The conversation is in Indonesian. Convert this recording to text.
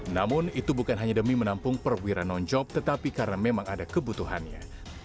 namun itu bukan hanya demi menampung perwira non job tetapi karena memang ada kebutuhannya